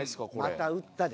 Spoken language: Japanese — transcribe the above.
「また打った」で。